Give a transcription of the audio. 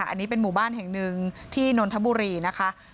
อันนี้เป็นหมู่บ้านแห่งหนึ่งที่นนทบุรีนะคะ